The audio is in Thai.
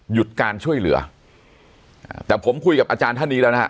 หยุดการช่วยเหลืออ่าแต่ผมคุยกับอาจารย์ท่านนี้แล้วนะฮะ